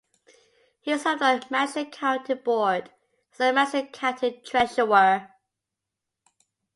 He served on the Madison County Board and as Madison County Treasurer.